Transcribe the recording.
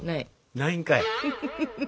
ないんかい！